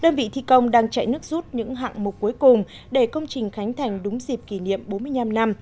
đơn vị thi công đang chạy nước rút những hạng mục cuối cùng để công trình khánh thành đúng dịp kỷ niệm bốn mươi năm năm